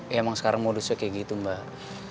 ya emang sekarang modusnya kayak gitu mbak